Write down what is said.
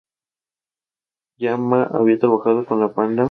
Ma ya había trabajado con la banda en el pasado en con algunos remixes.